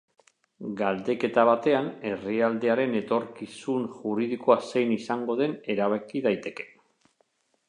Galdeketa batean herrialdearen etorkizun juridikoa zein izango den erabaki daiteke.